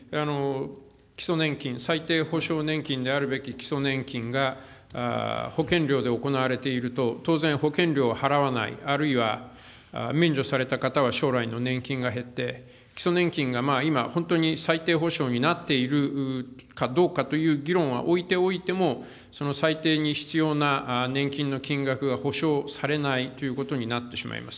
基礎年金、最低保障年金であるべき基礎年金が保険料で行われていると、当然、保険料は払わない、あるいは免除された方は将来の年金が減って、基礎年金が今本当に、最低保障になっているかどうかという議論は置いておいても、その最低に必要な年金の金額が保障されないということになってしまいます。